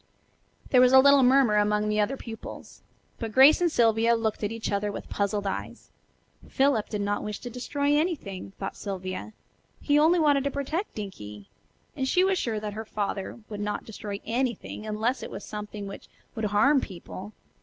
There was a little murmur among the other pupils, but Grace and Sylvia looked at each other with puzzled eyes. Philip did not wish to "destroy" anything, thought Sylvia; he only wanted to protect Dinkie. And she was sure that her father would not destroy anything, unless it was something which would harm people.